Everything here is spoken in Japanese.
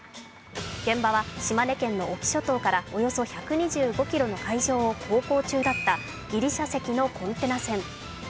現場は島根県の隠岐諸島からおよそ１２５ｋｍの海上を航行中だったギリシャ籍のコンテナ船。